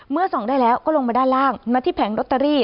ส่องได้แล้วก็ลงมาด้านล่างมาที่แผงลอตเตอรี่